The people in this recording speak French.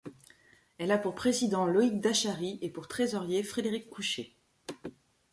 Elle a pour président Loïc Dachary et pour trésorier Frédéric Couchet.